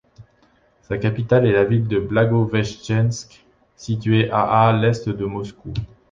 Sa capitale est la ville de Blagovechtchensk, située à à l'est de Moscou.